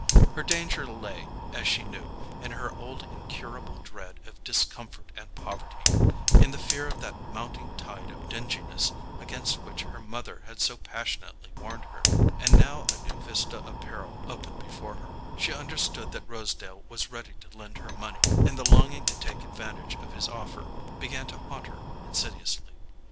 Her danger lay, as she knew, in her old incurable dread of discomfort and poverty; in the fear of that mounting tide of dinginess against which her mother had so passionately warned her. And now a new vista of peril opened before her. She understood that Rosedale was ready to lend her money; and the longing to take advantage of his offer began to haunt her insidiously.